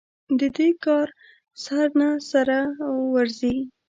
د دې کار سر نه سره ورځي.